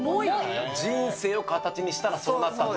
人生を形にしたらそうなったと？